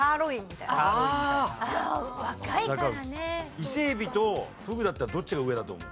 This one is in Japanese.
伊勢海老とフグだったらどっちが上だと思う？